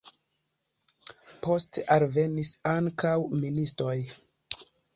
Poste alvenis ankaŭ ministoj.